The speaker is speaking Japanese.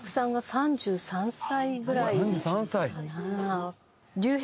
３３歳？